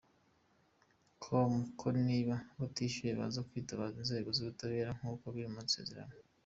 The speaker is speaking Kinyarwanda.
com ko niba batishyuye baza kwitabaza inzego z’ubutabera nk’uko biri mu maseerano.